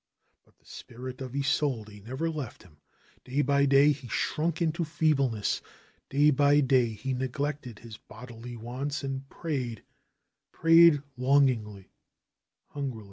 But the spirit of Isolde never left him. Day by day he shrunk into feebleness. Day by day he neglected his bodily wants and prayed, prayed longingly, hungrily.